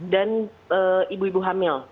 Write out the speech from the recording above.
dan ibu ibu hamil